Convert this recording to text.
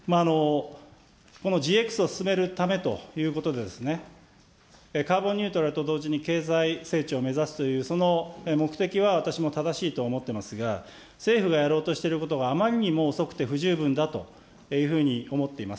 このＧＸを進めるためということでですね、カーボンニュートラルと同時に、経済成長を目指すというその目的は私も正しいと思ってますが、政府がやろうとしていることがあまりにも遅くて不十分だというふうに思っています。